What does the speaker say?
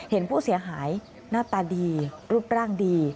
เห็นผู้เสียหายหน้าตาดีรูปร่างดี